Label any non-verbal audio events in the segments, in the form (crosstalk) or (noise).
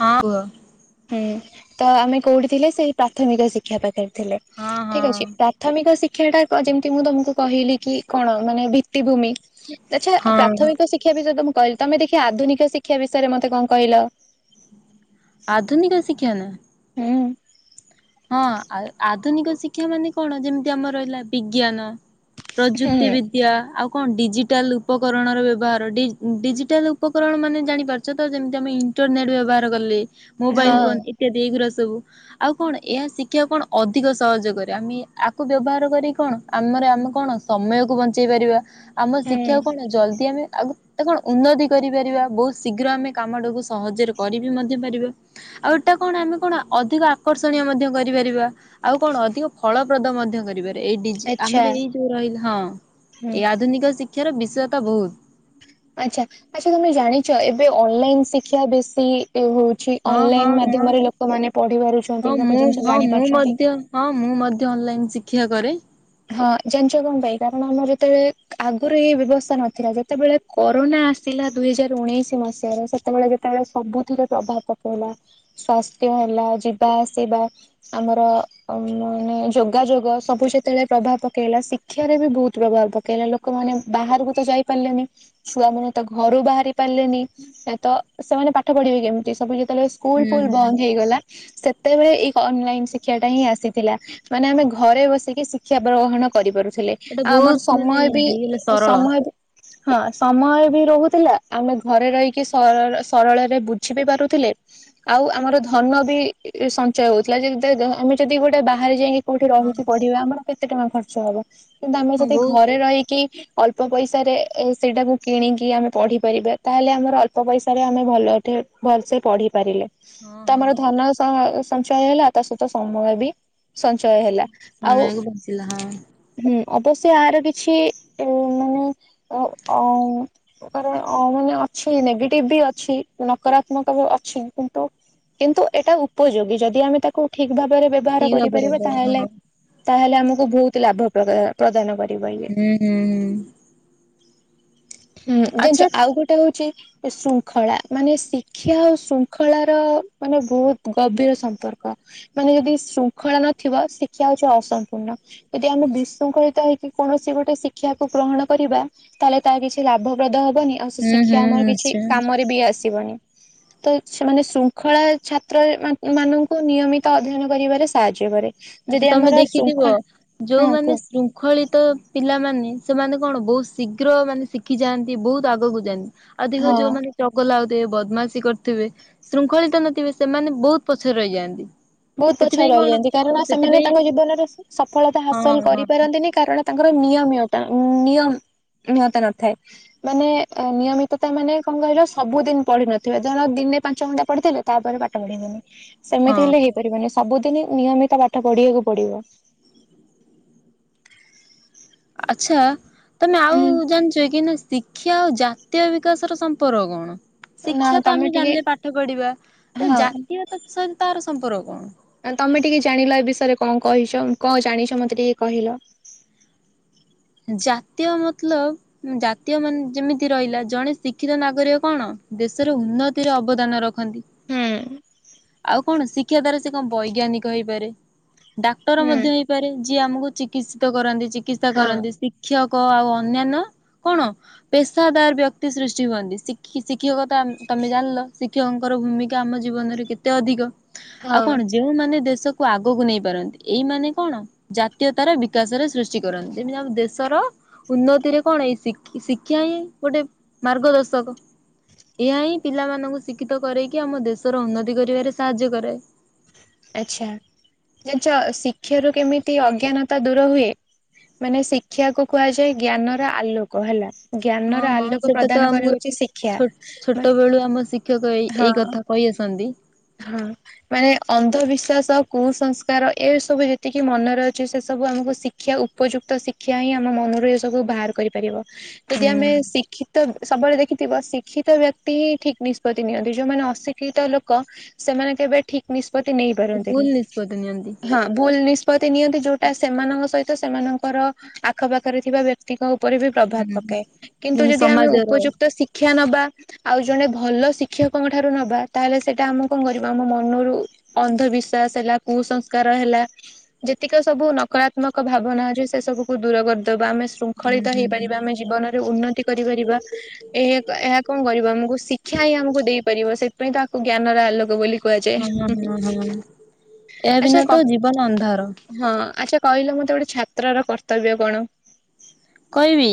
ହଁ କୂଅ। ହୁଁ ତ ଆମେ କୋଉଠି ଥିଲେ ସେ ପ୍ରାଥମିକ ଶିକ୍ଷା ପାଖରେ ଥିଲେ ହଁ ଠିକ୍ ହଁ ଅଛି ପ୍ରା ପ୍ରାଥମିକ ଶିକ୍ଷା ଟା ଯେମିତି ମୁଁ ତମକୁ କହିଲି କି କଣ ମାନେ ଭିତିଭୂମି ଆଚ୍ଛା ହଁ ପ୍ରାଥମିକ ଶିକ୍ଷା ବିଷୟରେ ତ ମୁଁ କହିଲି ତମେ ଟିକେ ଆଧୁନିକ ଶିକ୍ଷା ବିଷୟରେ ମତେ କଣ କହିଲ। ଆଧୁନିକ ଶିକ୍ଷା ନା ହୁଁ। ହଁ ଆ ଆଧୁନିକ ଶିକ୍ଷା ମାନେ କଣ ଯେମିତି ଆମର ରହିଲା ବିଜ୍ଞାନ ପ୍ରଯୁକ୍ତି ହୁଁ ବିଦ୍ ଦ୍ୟା ଆଉ କଣ ଡିଜିଟାଲ ଉପକରଣର ବ୍ୟବହାର ଡି ଡିଜିଟାଲ ଉପକରଣ ମାନେ ଜାଣିପାରୁ ଚତ ଇଣ୍ଟରନେଟ୍ ବ୍ୟବହାର କଲେ ମୋବାଇଲ ଫୋନ ହଁ ଇତ୍ୟାଦି ଏଇଗୁରା ସବୁ ଆଉ କଣ ଏହା ଶିକ୍ଷିବାକୁ କଣ ଅଧିକ ସହଜ କରେ ଆମେ ଆକୁ ବ୍ୟବହାର କରି କଣ ଆମର ଆମେ କଣ ସମୟକୁ ବଞ୍ଚେଇ ପାରିବା ଆମ ହୁଁ ଶିକ୍ଷା କଣ ଜଲଦି ଆମେ ଆଗ ତ କଣ ଉନ୍ନତି କରିପାରିବା ବହୁତ ଶୀଘ୍ର ଆମେ କାମଟାକୁ ସହଜରେ କରିିବି ମଧ୍ୟ ପାରିବା। ଆଉ ଏଇଟା କଣ ଆମେ କଣ ଅଧିକ ଆକର୍ଷଣୀୟ ମଧ୍ୟ କରିପାରିବା ଆଉ କଣ ଅଧିକ ଫଳପ୍ରଦ ମଧ୍ୟ କରିପାରି। ଏଇଡିଜି ଆଚ୍ଛା ଆମର ଏଇ ଯୋଉ ରହିଲା ହଁ ହୁଁ ଏଇ ଆଧୁନିକ ଶିକ୍ଷାର ବିଷୟତା ବହୁତ ଆଚ୍ଛା ଆଚ୍ଛା ତମେ ଜାଣିଛ ଏବେ ଅନଲାଇନ ଶିକ୍ଷା ବେଶୀ ଇଏ ହଉଛି ହଁ ହଁ ଅନଲାଇନ ହଁ। ମାଧ୍ୟମରେ ଲୋକମାନେ ପଢି ହଁ ପାରୁଛନ୍ତି ସବୁ ମୁଁ ଜିନିଷ ହଁ ଜାଣି ମୁଁ ପାରୁଛନ୍ତି। ମଧ୍ୟ ହଁ ମୁଁ ମଧ୍ୟ ଅନଲାଇନ ଶିକ୍ଷା କରେ। ହଁ ଜାଞ୍ଚ କଣ ପାଇଁ କାରଣ ଆମର ଯେତେଳେ ଆଗରୁ ଏଇ ବ୍ୟବସ୍ଥା ନଥିଲା ଯେତେବେଳେ କରୋନା ଆସିଲା ଦୁଇ ହଜାର ଉଣେଇଶି ମସିହାରେ ସେତେବେଳେ ଯେ ତାର ସବୁଥିରେ ପ୍ରଭାବ ପକେଇଲା ସ୍ଵାସ୍ଥ୍ୟ ହେଲା ଯିବା ଆସିବା ଆମର ମାନେ ଯୋଗାଯୋଗ ସବୁ ସେତେଳେ ପ୍ରଭାବ ପକେଇଲା ଶିକ୍ଷାରେ ବି ବହୁତ ପ୍ରଭାବ ପକେଇଲା ଲୋକମାନେ ବାହାରକୁ ତ ଯାଇ ପାରିଲେନି। ଛୁଆମାନେ ତ ଘରୁ ବାହାରି ପାରିଲେନି ତ ସେମାନେ ପାଠ ପଢିବେ କେମିତି ସବୁ ଯେତେବେଳେ ସ ହୁଁ ସ୍କୁଲ ଫୁଲ ହୁଁ ବନ୍ଦ ହେଇଗଲା। ସେତେବେଳେ ଏଇ ଅନଲାଇନ ଶିକ୍ଷା ଟା ହିଁ ଆସିଥିଲା ମାନେ ଆମେ ଘରେ ବସିକି ଶି କ୍ଷା ଗ୍ରହଣ କରିପାରୁଥିଲେ ଏଟା ଆଉ ବହୁତ ଆମର ମାନେ ସମୟ ବି ହେଇଗଲା ସରଳ ସମୟ ହଁ ସମୟ ବି ରହୁଥିଲା ଆମେ ଘରେ ରହିକି ସଳ ସରଳରେ ବୁଝି ବି ପାରୁଥିଲେ। ଆଉ ଆମର ଧନ ବି ସଞ୍ଚୟ ହଉଥିଲା (unintelligible) ଆମେ ଯଦି ଗୋଟେ ବାହାରେ ଯାଇକି କୋଉଠି ହଁ ରହିକି ପଢିବା ଆମର କେତେ ଟଙ୍କା ଖର୍ଚ୍ଚ ହବ କିନ୍ତୁ ଆମେ ହଁ ଯଦି ବହୁତ ଘରେ ରହିକି ଅଳ୍ପ ପଇସାରେ ଏ ସେଇଟାକୁ କିଣିକି ଆମେ ପଢ଼ିପାରିବା ତାହେଲେ ଆମର ଅଳ୍ପ ପଇସାରେ ଆମେ ଭଲ ଠେ ଭଲସେ ପଢି ପାରିଲେ ହଁ ତ ହଁ। ଆମର ଧନ ସ ସଞ୍ଚୟ ହେଲା ତା ସହିତ ସମୟ ବି ସଞ୍ଚୟ ହେଲା ଆଉ (unintelligible) ହଁ ହୁଁ ଅବଶ୍ୟ ଆର କିଛି ମାନେ ଅ (unintelligible) କାରଣ ଅ ମାନେ ଅଛି ନେଗେଟିଭ ବି ଅଛି ନକରାତ୍ମକ ବି ଅଛି କିନ୍ତୁ କିନ୍ତୁ ଏଇଟା ଉପଯୋଗୀ ଯଦି ଆମେ ତାକୁ ଠିକ ଭାବରେ ବ୍ୟବହାର ଠିକ ଭାବରେ କରିପାରିବା। ହଁ ହୁଁ ତାହେଲେ ତାହେଲେ ଆମକୁ ବହୁତ ଲାଭ ପ୍ରଦୟା ପ୍ରଦାନ କରିବା ଇଏ। ହୁଁ ହୁଁ ହୁଁ ଆଚ୍ଛା। ଜାଣିଛ ଆଉ ଗୋଟେ ହଉଛି। ଶୃଙ୍ଖଳା ମାନେ ଶିକ୍ଷା ଆଉ ଶୃଙ୍ଖଳାର ମାନେ ବହୁତ ଗଭୀର ସମ୍ପର୍କ। ମାନେ ଯଦି ଶୃଙ୍ଖଳା ନଥିବ ଶିକ୍ଷା ହଉଛି ଅସମ୍ପୂର୍ଣ୍ଣ। ଯଦି ଆମେ ବିଶୃଙ୍ଖଳିତ ହେଇକି କୌଣସି ଗୋଟେ ଶିକ୍ଷାକୁ ଗ୍ରହଣ କରିବା। ତାହେଲେ ତାହା କିଛି ଲାଭପ୍ରଦ ହବନି ଆଉ ସେ ହୁଁ ହୁଁ ଶିକ୍ଷା ଆମର କିଛି ନିଶ୍ଚୟ। କାମରେ ବି ଆସିବନି। ତ ସେମାନେ ଶୃଙ୍ଖଳା ଛାତ୍ର ମାନଙ୍କୁ ନିୟମିତ ଅଧ୍ୟୟନ କରିବାରେ ସାହାଯ୍ୟ କରେ। ଆଚ୍ଛା ଯଦି ତମେ ଆମର ଦେଖିଥିବ ଶୃଙ୍ଖଳା ହଁ ଯୋଉମାନେ କୁହ ଶୃ ଙ୍ଖଳିତ ପିଲାମାନେେ ସେମାନେ କଣ ବହୁତ ଶୀଘ୍ର ମାନେ ଶିଖି ଯାଆନ୍ତି ବହୁତ ଆଗକୁ ଯାଆନ୍ତି। ଅଧିକ ହଁ। ଯୋଉମାନେ ଚଗଲା ହଉଥିବେ ବଦମାସି କରୁଥିବେ ଶୃଙ୍ଖଳିତ ନଥିବେ ସେମାନେ ବହୁତ ପଛରେ ରହିଯାଆନ୍ତି। ବହୁତ ପଛ ସେଥିପାଇଁ କଣ ରହିଥାଆନ୍ତି। କାରଣ ହଁ ସେମାନେ ସେଥିପାଇଁ ତାଙ୍କ ଜୀବନରେ ସଫଳତା ହଁ ହାସଲ ହଁ କରିପାରନ୍ତିନି କାରଣ ତାଙ୍କର ହଁ ନିୟମୀ ଅଛି। ତା ନିୟମ ନିହତ ନଥାଏ। ମାନେ ନିୟମିତତା ମାନେ କଣ କହିଲ ସବୁଦିନ ପଢିିନଥିବ ଧଣ ଦିନେ ପାଞ୍ଚ ଘଣ୍ଟା ପଢିଥିଲେ। ତାପରେ ପାଠ ପଢିବନି। ସେମିତି ହଁ ହେଲେ ହେଇପାରିବନି ସବୁଦିନ ନିୟମିତ ପାଠ ପଢିବାକୁ ପଡିବ। ଆଚ୍ଛା ତମେ ଆଉ ଜାଣିଚ କି ନା ଶିକ୍ଷା ଆଉ ଜାତୀୟ ବିକାଶର ସମ୍ପର୍କ କଣ? ନା ଶିକ୍ଷା ତ ତମେ ଆମେ ଟିକେ ଜାଣିଲେ ପାଠ ପଢିବା। ତ ହଁ ଜାତୀୟତା ସହିତ ତାର ସମ୍ପର୍କ କଣ? ଆଁ ତମେ ଟିକେ ଜାଣିଲ ଏ ବିଷୟରେ କଣ କହିଚ କଣ ଜାଣିଚ ମତେ ଟିକେ କହିଲ? ଜାତୀୟ ମତଲବ୍ ଜାତୀୟ ମାନେ ଯେମିତି ରହିଲା ଜଣେ ଶିକ୍ଷିତ ନାଗରିକ କଣ ଦେଶରେ ଉନ୍ନତିର ଅବଦାନ ର ଖନ୍ତି। ହୁଁ ଆଉ କଣ ଶିକ୍ଷା ଦ୍ଵାରା ସେ କଣ ବୈଜ୍ଞାନିକ ହେଇପାରେ। ଡାକ୍ତର ହୁଁ ମଧ୍ୟ ହେଇପାରେ ଯିଏ ଆମକୁ ଚିକିତ୍ସିତ କରନ୍ତି ଚିକିତ୍ସା ହଁ କରନ୍ତି। ଶିକ୍ଷକ ଆଉ ଅନ୍ୟାନ୍ୟ କଣ ପେସାଦାର ବ୍ୟକ୍ତି ସୃଷ୍ଟି ହୁଅନ୍ତି। ଶିକ୍ଷି-ଶିକ୍ଷକତା ତମେ ଜାଣିଲ ଶି କ୍ଷକଙ୍କର ଭୂମିକା ଆମ ଜୀବନରେ କେତେ ଅଧିକ ଆଉ ହଁ କଣ ଯେଉଁମାନେ ଦେଶକୁ ଆଗକୁ ନେଇ ପାରନ୍ତି ଏଇମାନେ କଣ ଜାତୀୟତାର ବିକାଶରେ ସୃଷ୍ଟି କରନ୍ତି। ଯେମିତି ଆମ ଦେ ଶର ଉନ୍ନତିରେ କଣ ଏଇ ଶି-ଶିକ୍ଷା ହିଁ ଗୋଟେ ମାର୍ଗଦର୍ଶକ। ଏହା ହିଁ ପିଲାମାନଙ୍କୁ ଶିକ୍ଷିତ କରେଇକି ଆମ ଦେଶର ଉନ୍ନତି କରିବାରେ ସାହାଯ୍ୟ କରାଏ। ଆଚ୍ଛା ଜାଣିଚ ଶିକ୍ଷାରୁ କେମିତି ଅଜ୍ଞାନତା ଦୂର ହୁଏ? ମାନେ ଶିକ୍ଷାକୁୁ କୁହାଯାଏ ଜ୍ଞାନର ଆଲୋକ ହେଲା। ହଁ ଜ୍ଞାନର ହଁ ଆଲୋକୁ ସେଟା ପ୍ରଦାନ କରେ ହୋଉଚି ଶିକ୍ଷା ମା ଛୋଟବେଳୁ ଆମ ଶିକ୍ଷକ ଏଇ ଏଇ କଥା କହି ଆସନ୍ତି। ହଁ। ମାନେ ଅନ୍ଧବିଶ୍ବାସ ଆଉ କୁସଂସ୍କାର ଏ ସବୁ ଯେତିକି ମନରେ ଅଛି ସେ ସବୁ ଆମକୁ ଶି କ୍ଷା ଉପଯୁକ୍ତ ଶିକ୍ଷା ହିଁ ଆମ ମନରୁ ଏ ସବୁ ବାହାର କରିପାରିବ। ଯଦି ହୁଁ ଆମେ ଶିକ୍ଷି ତ ସବୁବେଳେ ଦେଖିଥିବ ଶିକ୍ଷିତ ବ୍ୟକ୍ତି ହିଁ ଠିକ୍ ନିଷ୍ପତ୍ତି ନିଅନ୍ତି। ଯୋଉମାନେ ଅଶିକ୍ଷିତ ଲୋକ ସେମାନେ କେବେ ଠିକ୍ ନିଷ୍ପତି ସେ ଭୁଲ ନେଇପାରନ୍ତିନି ନିଷ୍ପତ୍ତି ନିଅନ୍ତି। ହଁ। ଭୁଲ ନିଷ୍ପତି ନିଅନ୍ତି। ଯୋଉଟା ସେମାନଙ୍କ ସହିତ ସେମାନଙ୍କର ଆଖପାଖରେ ଥିବା ବ୍ୟ ଙ୍କ ଉପରେ ବି ପ୍ରଭାବ ହୁଁ ପକାଏ, କିନ୍ତୁ ଯେମିତି ଯଦି ଆମେ ସମାଜର ଉପଯୁକ୍ତ ଶି କ୍ଷା ନବା ଆଉ ଜଣେ ଭଲ ଶିକ୍ଷକଙ୍କ ଠାରୁ ନବା ତାହେଲେ ସେ ଟା ଆମକୁ କଣ କରିବ। ଆମ ମନରୁ ଅନ୍ଧବିଶ୍ଵାସ ହେଲା କୁସଂସ୍କାର ହେଲା ଯେତିକି ସବୁ ନକରାତ୍ମକ ଭାବନାରେ ସେ ସବୁକୁ ଦୂର କରିଦବା। ଆମେ ହୁଁ ଶୃଙ୍ଖଳିତ ହୁଁ ହେଇପାରିବା ଆମେ ଜୀବନରେ ଉନ୍ନତି କରିପାରିବା। ଏହା କ ଏହା କଣ କରିବ ଆମକୁ ଶିକ୍ଷା ହିଁ ଆମକୁ ଦେଇପାରିବ। ସେଥିପାଇଁ ତ ଦିନର ଆଲୋକ ବୋଲି କୁହାଯାଏ। ହଁ ହୁଁ ହୁଁ ହଁ ହଁ ଏହା ଆଚ୍ଛା ବିନା କ ତ ଜୀବନ ଅନ୍ଧାର। ହଁ ଆଚ୍ଛା କହିଲ ମତେ ଗୋଟେ ଛାତ୍ରର କର୍ତ୍ତବ୍ୟ କଣ? କହିବି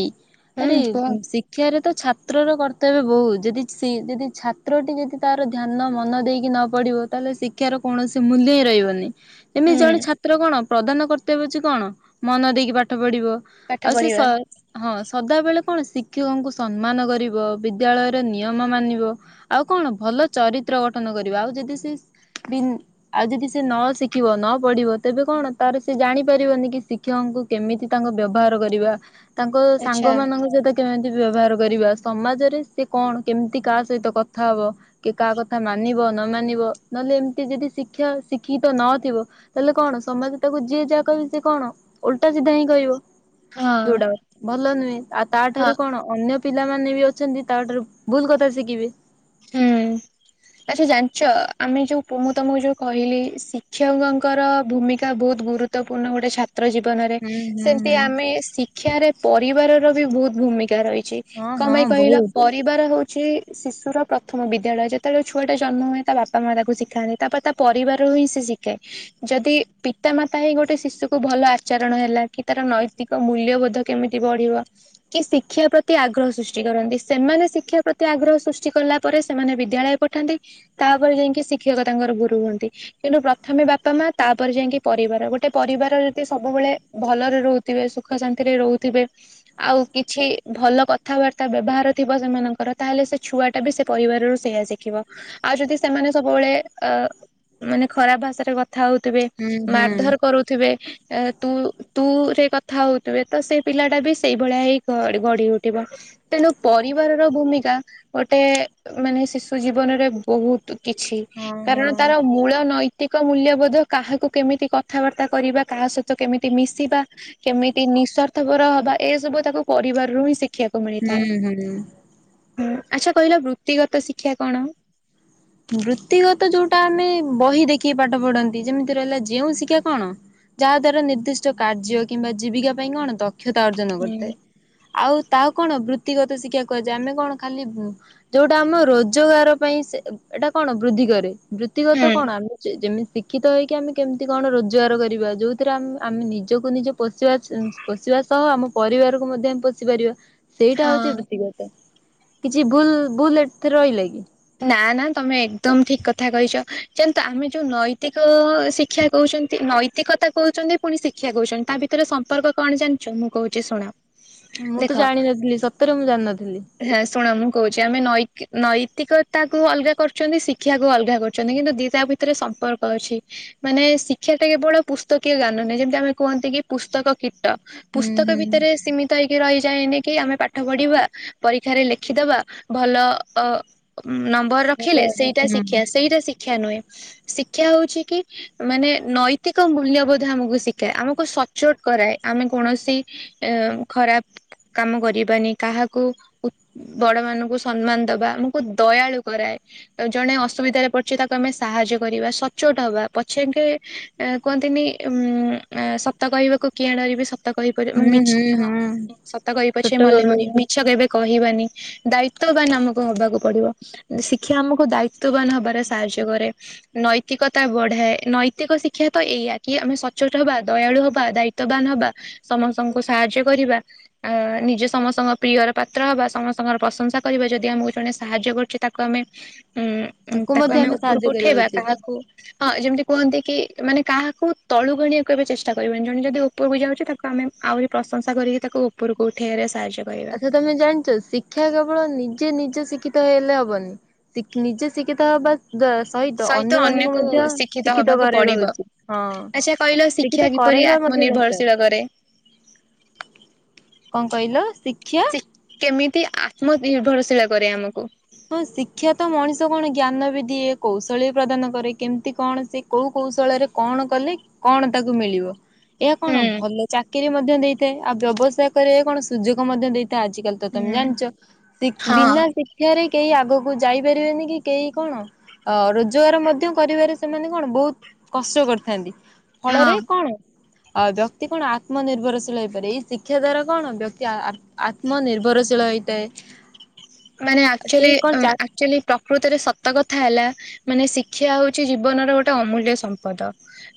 ଆରେ ହୁଁ କୁହ ଶି କ୍ଷାରେ ତ ଛାତ୍ରର କର୍ତ୍ତବ୍ୟ ବୋହୁ ଯଦି ଶି ଯଦି ଛାତ୍ରଟି ଯଦି ତାର ଧ୍ୟାନ ମନ ଦେଇକି ନ ପଢିବ ତାହେଲେ ଶିକ୍ଷାର କୌଣସି ମୂଲ୍ୟ ହି ରହିବନି। ଏମିତି ହୁଁ ଜଣେ ଛାତ୍ର କଣ ପ୍ରଧାନ କର୍ତ୍ତବ୍ୟ ହୋଉଚି କଣ ମନ ଦେଇକି ପାଠ ପଢିବ। ପାଠ ଆଉ ସେ ସ ପଢିବ। ହଁ ସଦାବେଳେ କଣ ଶିକ୍ଷକଙ୍କୁ ସମ୍ମାନ କରିବ। ବିଦ୍ୟାଳୟର ନିୟମ ମାନିବ ଆଉ କଣ ଭଲ ଚରିତ୍ର ଗଠନ କରିବ ଆଉ ଯଦି ସେ ବି ଆଉ ଯଦି ସେ ନ ଶିଖିବ ନ ପଢିବ ତେବେ କଣ ତାର ସେ ଜାଣିପାରିବନି କିି ଶି କ୍ଷକଙ୍କୁ କେମିତି ତାଙ୍କ ବ୍ୟବହାର କରିବା ତାଙ୍କ ଆଚ୍ଛା ସାଙ୍ଗମାନଙ୍କ ସହିତ କେମିତି ବ୍ୟବହାର କରିବା ସମାଜରେ ସେ କଣ କେମିତି କାହା ସହିତ କଥା ହବ। କି କାହା କଥା ମାନିବ ନ ମାନିବ ନହେଲେ ଏମିତି ଯଦି ଶିକ୍ଷା ଶିକ୍ଷିତ ନଥିବ ତାହେଲେ କଣ ସମସ୍ତେ ତାକୁ ଯିଏ ଯାହା କହିବି କଣ ଓଲଟା ସିଧା ହିଁ କହିବ। ହଁ ଯୋଉଟା ଭଲ ନୁହେଁ ଆଉ ହଁ ତାଠାରୁ କଣ ଅନ୍ୟ ପିଲାମାନେ ବି ଅଛନ୍ତି ତାଠାରୁ ଭୁଲ କଥା ଶିକିବେ। ହୁଁ। ଆଚ୍ଛା ଜାଣିଚ ଆମେ ଯୋଉ ପୁ ମୁଁ ତମକୁ ଯୋଉ କହିଲି ଶିକ୍ଷକଙ୍କର ଭୂମିକା ବୋହୁତ ଗୁରୁ ତ ପୂନ ଗୋଟେ ଚ୍ଛା ତ୍ର ଜୀବନରେ ହୁଁ ହୁଁ ସେମିତି ହୁଁ ଆମେ ଶିକ୍ଷାରେ ପରିବାର ର ବି ବହୁତ ଭୂମିକା ରହିଚି। ହଁ କଣ ହଁ ପାଇଁ କହିଲା ବହୁତ। ପରିବାର ହଉଛି ଶିଶୁର ପ୍ରଥମ ବିଦ୍ୟାଳୟ ଯେତେବେଳେ ଛୁଆଟା ଜନ୍ମ ହୁଏ ତା ବାପା ମା ତାକୁ ଶିଖାନ୍ତି ତା ପରେ ତା ପରିବାରରୁ ହିଁ ସେ ଶିଖେ। ଯଦି ପିତା ମାତା ହିଁ ଗୋଟେ ଶିଶୁକୁୁ ଭଲ ଆଚରଣ ହେଲା କି ତାର ନୈତିକ କ ମୂଲ୍ୟବୋଧ କେମିତି ବଢିବ କି ଶିକ୍ଷା ପ୍ରତି ଆଗ୍ରହ ସୃଷ୍ଟି କରନ୍ତି ସେମାନେ ଶିକ୍ଷା ପ୍ରତି ଆଗ୍ରହ ସୃଷ୍ଟି କଲା ପରେ ସେମାନେ ବିଦ୍ୟାଳୟ ପଠାନ୍ତି ତାପରେ ଯାଇକି ଶିକ୍ଷକ ତାଙ୍କର ଗୁରୁ ହୁଅନ୍ତି। କିନ୍ତୁ ପ୍ରଥମେ ବାପା ମା ତାପରେ ଯାଇକି ପରିବାର ଗୋଟେ ପରିବାର ଯଦି ସବୁବେଳେ ଭଲରେ ରହୁଥିବେ ସୁଖ ଶାନ୍ତିରେ ରହୁଥିବେ ଆଉ କିଛି ଭଲ କଥାବାର୍ତ୍ତା ବ୍ୟବହାର ଥିବ ସେମାନଙ୍କର ତାହେଲେ ସେ ଛୁଆ ଟା ବି ସେ ପରିବାରରୁ ସେଇୟା ଶିଖିବ ଆଉ ଯଦି ସେମାନେ ସବୁବେଳେ ଅ ମାନେ ଖରାପ ଭାଷାରେ କ ଥା ହଉଥିବେ ହୁଁ ହୁଁ। ମାରଧର କରୁଥିବେ ଏ ତୁ ତୁରେ କଥା ହଉଥିବେ ତ ସେ ପିଲା ଟା ବି ସେଇଭଳିଆ ହେ ଗଢି ଉଠିବ। ତେଣୁ ପରିବାର ର ଭୂମିକା ଗୋଟେ ମାନେ ଶିଶୁ ଜୀବନରେ ବହୁତ କିଛି ହଁ ହଁ କାରଣ ତାର ମୂଳ ନୈ ତିକ ମୂଲ୍ୟବୋଧ କାହାକୁ କେମିତି କଥାବାର୍ତ୍ତା କରିବା କାହା ସହିତ କେମିତି ମିଶିବା କେମିତି ନିଃସ୍ଵାର୍ଥପର ହବା ଏ ସବୁ ତାକୁ କରିବାରାରୁ ହିଁ ଶିଖ ଖୀବାକୁ ହୁଁ ମିଳିଥାଏ ହୁଁ। ଆଚ୍ଛା କହିଲ ବୃତ୍ତିଗତ ଶିକ୍ଷା କଣ। ବୃତ୍ତିଗତ ଯୋଉଟା ଆମେ ବହି ଦେଖିକି ପାଠ ପଢନ୍ତି ଯେମିତି ରହିଲା ଯେଉଁ ଶିକ୍ଷା କଣ ଯାହା ଦ୍ଵାରା ନିର୍ଦ୍ଦିଷ୍ଟ କାର୍ଯ୍ୟ କିମ୍ବା ଜୀବିକା ପାଇଁ କଣ ଦକ୍ଷତା ଅର୍ଜନ ହୁଁ କରିଥାଏ। ଆଉ ତାହାକୁ କଣ ବୃତ୍ତିଗତ ଶିକ୍ଷା କୁହାଯାଏ ଆମେ କଣ ଖାଲି ବୁ ଯୋଉଟା ଆମ ରୋଜଗାର ପାଇଁ ସେ ଏଇଟା କଣ ବୃଦ୍ଧି କରେ ବୃତ୍ତିଗତ ହୁଁ କଣ ଆମେ ଯେମିତି ଶିକ୍ଷିତ ହେଇକି ଆମେ କେମିତି କଣ ରୋଜଗାର କରିବା ଯୋଉଥିରେ ଆ ଆମେ ନିଜକୁ ନିଜେ ପଶିବା ପୋଶିବା ସହ ଆମ ପରିବାରକୁ ମଧ୍ୟ ଆମେ ପୋଷି ପାରିବା। ସେଇଟା ହଉଛି ହଁ। ବୃତ୍ତିଗତ କିଛି ଭୁଲ ଭୁଲ ଏଥି ରହିଲା କି। ନା ନା ତମେ ଏକଦମ ଠିକ କଥା କହିଚ ଯେନ୍ତୁ ଆମେ ଯୋଉ ନୈତିକ ଶିକ୍ଷା କହୁଚନ୍ତି ନୈ ତିକତା କହୁଚନ୍ତି ପୁଣି ଶିକ୍ଷା କହୁଚନ୍ତି ତା ଭିତରେ ସମ୍ପର୍କ କଣ ଜାଣିଛ ମୁଁ କହୁଚି ଶୁଣ। ମୁଁ ତ ଜାଣିନଥିଲି ସତରେ ମୁଁ ଜାଣିନଥିଲି। ହେଁ ଶୁଣ ମୁଁ କହୁଚି ଆମେ ନୈ ନୈତିକ ତାକୁ ଅଲଗା କରୁଛନ୍ତି ଶିକ୍ଷାକୁୁ ଅଲଗା କରୁଛନ୍ତି କିନ୍ତୁ ଦି ତା ଭିତରେ ସମ୍ପର୍କ ଅଛି। ମାନେ ଶିକ୍ଷା ଟା କେବଳ ପୁସ୍ତକୀୟ ଜ୍ଞାନ ନୁହେଁ ଯେମତି ଆମେ କୁହନ୍ତି କି ପୁସ୍ତକ କୀଟ। ହୁଁ ପୁସ୍ତକ ହୁଁ ଭିତରେ ସୀମି ତ ହେଇକି ରହିଯାଏନି କି ଆମେ ପାଠ ପଢିବା ପରୀକ୍ଷାରେ ଲେଖିଦବା ଭଲ ଅ ନମ୍ବର ରଖିଲେ ସେଇଟା ହୁଁ ଶିକ୍ଷ୍ୟା ସେଇଟା ଶି କ୍ଷା ନୁହେଁ ଶିକ୍ଷା ହଉଚି କି ମାନେ ନୈତିକ ମୂଲ୍ୟବୋଧ ଆମକୁ ଶି ଖାଏ ଆମକୁ ସଚୋଟ କରାଏ ଆମେ କୌଣସି ଏ ଖରାପ କାମ କରିବାନି କାହାକୁ ଉ ବଡ ମାନଙ୍କୁ ସମ୍ମାନ ଦବା ମୁ କୁ ଦୟାଳୁ କରାଏ। ଜଣେ ଅସୁବିଧାରେ ପଡିଛି ତାକୁ ଆମେ ସାହାଯ୍ୟ କରିବା ସଚୋଟ ହବା ପଛେକେ ଅ କୁହନ୍ତିନି ଉଁ ଅ ସତ କହିବାକୁ କିଆଁ ଡରିବି ସ ସତ କହି ପରେ ମି ହୁଁ ହୁଁ ହ ହୁଁ ସତ କହି ପଛ ଛୋଟ ମଲେ ବେଳୁ ମରିବି ମି ଛ କେବେ କହିବାନି ଦାୟିତ୍ଵବାନ ଆମକୁ ହବାକୁ ପଡିବ ଶିକ୍ଷା ଆମକୁ ଦାୟିତଵବାନ ହବାରେ ସାହାଯ୍ୟ କରେ। ନୈତିକତା ବଢାଏ ନୈତିକ ଶିକ୍ଷା ତ ଏଇୟା କି ଆମେ ସଚୋଟ ହବା ଦୟାଳୁ ହବା ଦାୟି ତ୍ୱ ବାନ ହବା ସମସ୍ତଙ୍କୁ ସାହାଯ୍ୟ କରିବା। ଅ ନିଜେ ସମସ୍ତଙ୍କ ପ୍ରିୟର ପାତ୍ର ହବା ସମସ୍ତଙ୍କର ପ୍ରଶଂସା କରିବା ଯଦି ଆମକୁ ଜଣେ ସାହାଯ୍ୟ କରୁଛି ତାକୁ ଆମେ ଉଁ ଉଁ ତାକୁ ମଧ୍ୟ ଆମେ ସାହାଯ୍ୟ ଉପରକୁ କରିବା ଉଠେଇବା ଉଚିତ। କାହାକୁ ହଁ ଯେମିତି କୁହନ୍ତି କି ମାନେ କାହାକୁ ତଳୁକୁ ଆଣିବାକୁ କେବେ ଚେଷ୍ଟା କରିବନି ଜଣେ ଯଦି ଉପରକୁୁ ଯାଉଛି ତାକୁ ଆମେ ଆହୁରି ପ୍ରଶଂସା କରିକି ତାକୁ ଉପରକୁ ଉଠେଇାରେ ସାହାଯ୍ୟ କରିବା। ଆଚ୍ଛା ତମେ ଜାଣିଛ ଶିକ୍ଷା କେବଳ ନିଜେ ନିଜେ ଶିକ୍ଷିତ ହେଇଲେ ହବନି। ସେଖ ନିଜେ ସିଖିତ ହବା ସହିତ ଅନ୍ୟ ମାନଙ୍କୁ ଅନ୍ୟକୁ ମଧ୍ୟ ଶିକ୍ଷିତ ହବାକୁ କରାଇବା ପଡିବ ଉଚିତ ହଁ। ଆଚ୍ଛା କହିଲ ଶିକ୍ଷା ଶିକ୍ଷିତ କିପରି କରାଇବା ମଧ୍ୟ ଦରକାର। ଆତ୍ମନିର୍ଭରଶୀଳ କରେ? କଣ କହିଲ? ଶିକ୍ଷା ସେ କେମିତି ଆତ୍ମନିର୍ଭରଶୀଳ କରେ ଆମକୁ। ହଁ ଶିକ୍ଷା ତ ମଣିଷ କଣ ଜ୍ଞାନ ବି ଦିଏ କୌଶଳ ପ୍ରଦାନ କରେ କେମିତି କଣ ସେ କୋଉ କୌଶଳରେ କଣ କଲେ କଣ ତାକୁ ମିଳିବ? ଏହା କଣ ହୁଁ ଭଲ ଚାକିରି ମଧ୍ୟ ଦେଇଥାଏ ଆଉ ବ୍ୟବସାୟ କରିବା କଣ ସୁଯୋଗ ମଧ୍ୟ ଦେଇଥାଏ ଆଜିକାଲି ତ ତମେ ହୁଁ ଜାଣିଛ ହଁ ବିନା ଶିକ୍ଷାରେ କେହି ଆଗକୁ ଯାଇପାରିବେନି କି କେହି କଣ? ଅ ରୋଜଗାର ମଧ୍ୟ କରିବାରେ ସେମାନେ କଣ ବହୁତ କଷ କରିଥାନ୍ତି। ହଁ। ଫଳରେ କଣ? ଅ ବ୍ୟକ୍ତି କଣ ଆତ୍ମନିର୍ଭରଶୀଳ ହେଇପାରେ ଏଇ ଶିକ୍ଷା ଦ୍ଵାରା କଣ ବ୍ୟକ୍ତିଆ ଆତ୍ମ ନିିର୍ଭରଶୀଳ ହେଇଥାଏ‌। ମାନେ ଆଚୁଲି ଉ ଆଚୁଲି ପ୍ରକୃତରେ ସତ କଥା ହେଲା ମାନେ ଶିକ୍ଷା ହଉଛି ଜୀବନର ଗୋଟେ ଅମୂଲ୍ୟ ସମ୍ପଦ।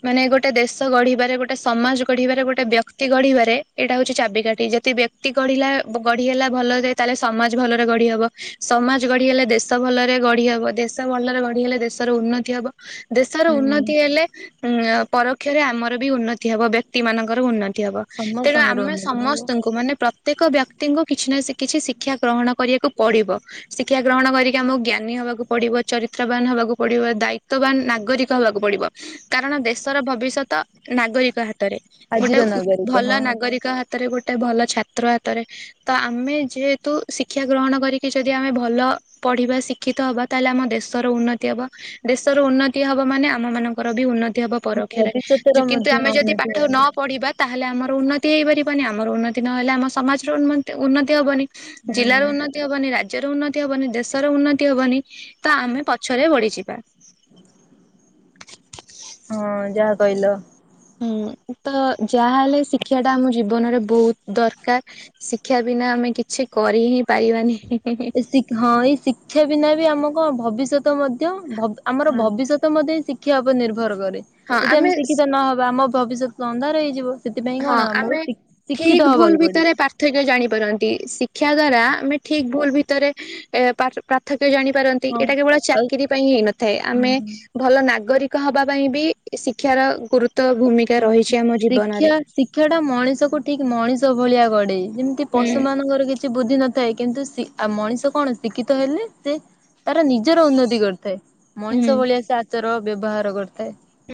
ମାନେ ଗୋଟେ ଦେଶ ଗଢିବାରେ ଗୋଟେ ସମାଜ ଗଢିବାରେ ଗୋଟେ ବ୍ୟକ୍ତି ଗଢିବାରେ ଏଇଟା ହଉଛି ଚାବିକାଠି ଯେତେ ବ୍ୟକ୍ତ ତି ଗଢିଲା ଗଢି ହେଲା ଭଲ ତାହେଲେ ସମାଜ ଭଲ ଗଢି ହବ ସମାଜ ଗଢି ହେଲେ ଦେଶ ଭଲରେ ଗଢିହେବ ଦେଶ ଭଲରେ ଗଢି ହେଲେ ଦେଶର ଉନ୍ନତି ହବ। ଦେଶର ହୁଁ ଉନ୍ନତି ହେଲେ ଉଁ ପରୋକ୍ଷରେ ଆମର ବି ଉନ୍ନତି ହବ ବ୍ୟକ୍ତି ମାନଙ୍କର ଉନ୍ନ ବ ତେଣୁ ସମସ୍ତଙ୍କର ଆମେ ଉନ୍ନତି ହବ ସମସ୍ତଙ୍କୁ ମାନେ ପ୍ରତ୍ୟେକ ବ୍ୟକ୍ତିଙ୍କୁ କିଛି ନା ସେ କିଛି ଶିକ୍ଷା ଗ୍ରହଣ କରିବାକୁ ପଡିବ। ଶିକ୍ଷା ଗ୍ରହଣ କରିକି ଆମକୁ ଜ୍ଞାନୀ ହବାକୁ ପଡିବ ଚରିତ୍ରବାନ ହବାକୁ ପଡିବ ଦାୟିତବାନ ନାଗରିକ ହେବାକୁ ପଡିବ କାରଣ ଦେଶର ଭବିଷ୍ୟତ ନାଗରିକ ହାତ ରେ ଗୋଟେ ଆଜିର ଉ ନାଗରିକ ଭଲ ହଁ ନାଗରିକ ହା ହାତରେ ଗୋଟେ ଭଲ ଛାତ୍ର ହାତରେ ତ ଆମେ ଯେହେତୁ ଶି ଶିକ୍ଷା ଗ୍ରହଣ କରିକି ଯଦି ଆମେ ଭଲ ପଢ଼ିବା ଶିକ୍ଷିତ ହେବା ତାହେଲେ ଆମ ଦେଶର ଉନ୍ନତି ହେବ। ଦେଶର ଉନ୍ନତି ହବ ମାନେ ଆମ ମାନଙ୍କର ବି ଉନ୍ନତି ହବ। ଆମ ପରୋକ୍ଷରେ ଭବିଷ୍ୟତର କିନ୍ତୁ ମଧ୍ୟ ଆମେ ଯଦି ପାଠ ଉନ୍ନତି ନ ହବ। ପଢିବା ତା ହେଲେ ଆମର ଉନ୍ନତି ହେଇପାରିବନି ଆମର ଉନ୍ନତି ନହେଲେ ଆମ ସମାଜର ଉନମତୀ-ଉନ୍ନତି ହେବନି। ହୁଁ ଜିଲ୍ଲାର ଉନ୍ନତି ହବନି ରାଜ୍ୟର ଉନ୍ନତି ହବନି ଦେଶର ଉନ୍ନତି ହବନି ତ ଆମେ ପଛରେ ବଢିଯିବା। ହଁ ଯାହା କହିଲ। ହୁଁ ତ ଯାହାହେଲେ ଶିକ୍ଷା ଟା ଆମ ଜୀବନରେ ବହୁତ ଦରକାର। ଶିକ୍ଷା ବିନା ଆମେ କିଛି କରି ହିଁ ପାରିବାନି। ଏ ହଁ ଏଇ ଶିକ୍ଷା ବିନା ବି ଆମ ଭବିଷ୍ୟତ ମଧ୍ୟ ଆମର ହଁ ଭବିଷ୍ୟତ ତ ମଧ୍ୟେ ଶିକ୍ଷା ଉପରେ ନିର୍ଭର କରେ ଯଦି ଆମେ ଶିକ୍ଷିତ ନହବା ଆମ ଭବିଷ୍ୟତ ଅନ୍ଧା ର ହେଇଯିବ। ସେଥିପାଇଁ ହଁ କଣ ଆମକୁ ଶିଖି-ଶିକ୍ଷିତ ହବାକୁ ପଡିବ। ପୃଥକ ଜାଣିପାରନ୍ତି ଶିକ୍ଷା ଦ୍ଵାରା ଆମେ ଠିକ ଭୁଲ ଭିତରେ ଏ ପାର-ପାର୍ଥକ୍ୟ ଜାଣି ପାରନ୍ତି ହଁ ଏଇଟା କେବଳ ଆଉ ଚାକିରୀ ପାଇଁ ହେଇନଥାଏ ଆମେ ହୁଁ। ଭଲ ନାଗରିକ ହବା ପାଇଁ ବି ଶିକ୍ଷାର ଗୁରୁତ୍ଵ ଭୂମିକା ରହିଛି ଆମ ଜୀବନରେ। ଶିକ୍ଷଟା ମଣିଷ କୁ ଠିକ ମଣିଷ ଭଳିଆ ଗଢେ ଯେମିତି ହୁଁ ପଶୁ ମାନଙ୍କର କିଛି ସେ ବୁଦ୍ଧି ନଥାଏ କିନ୍ତୁ ମଣିଷ କଣ ଶିକ୍ଷିତ ହେଲେ ସେ ତାର ନିଜର ଉନ୍ନତି କରିଥାଏ ହୁଁ। ମଣିଷ ଭଳିଆ ସେ ଆଚର ବ୍ୟବହାର କରିଥାଏ।